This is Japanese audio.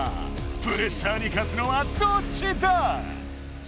プレッシャーに勝つのはどっちだ